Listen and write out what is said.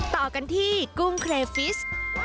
ต่อกันที่กุ้งเครฟิส